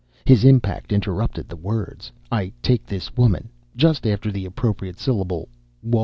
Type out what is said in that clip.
His impact interrupted the words "I take this woman" just after the appropriate syllable "wo".